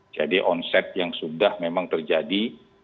jadi onset yang sudah memang terjadi